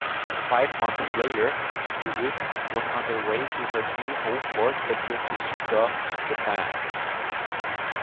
Five months later, "Hewitt" was underway to her new homeport at Yokosuka, Japan.